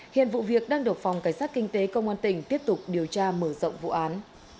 hiện vụ việc đang được phòng cảnh sát kinh tế công an tỉnh tiếp tục điều tra mở rộng vụ án